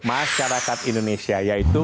masyarakat indonesia yaitu